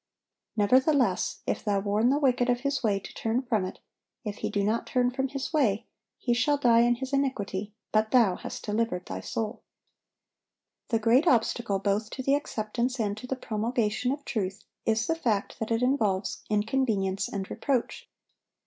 Nevertheless, if thou warn the wicked of his way to turn from it; if he do not turn from his way, he shall die in his iniquity; but thou hast delivered thy soul."(772) The great obstacle both to the acceptance and to the promulgation of truth, is the fact that it involves inconvenience and reproach.